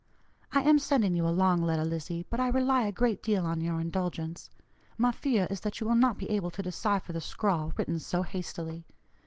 I am sending you a long letter, Lizzie, but I rely a great deal on your indulgence. My fear is that you will not be able to decipher the scrawl written so hastily.